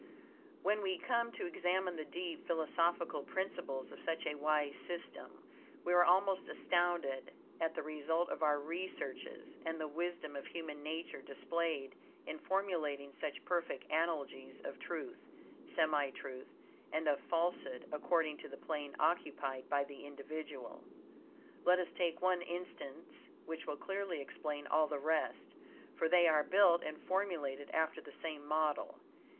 When we come to examine the deep, philosophical principles of such a wise system, we are almost astounded at the result of our researches and the wisdom of human nature displayed in formulating such perfect analogies of truth, semi truth, and of falsehood, according to the plane occupied by the individual. Let us take one instance, which will clearly explain all the rest, for they are built and formulated after the same model.